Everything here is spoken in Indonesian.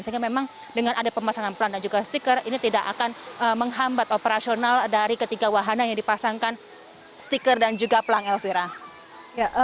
sehingga memang dengan ada pemasangan pelang dan juga stiker ini tidak akan menghambat operasional dari ketiga wahana yang dipasangkan stiker dan juga pelang elvira